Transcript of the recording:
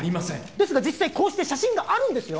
ですが実際こうして写真があるんですよ